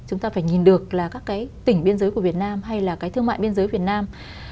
chúng ta phải nhìn được là các cái tỉnh biên giới của việt nam hay là cái thương mại biên giới việt nam